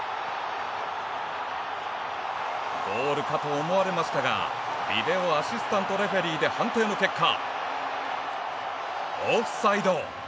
ゴールかと思われましたがビデオアシスタントレフリーで判定の結果、オフサイド。